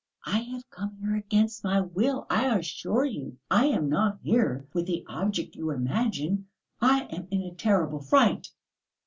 I have come here against my will, I assure you; I am not here with the object you imagine.... I am in a terrible fright."